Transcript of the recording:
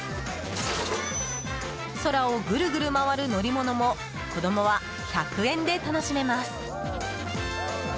空をぐるぐる回る乗り物も子供は１００円で楽しめます。